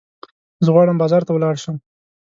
زه غواړم بازار ته ولاړ شم.